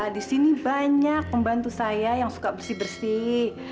di sini banyak pembantu saya yang suka bersih bersih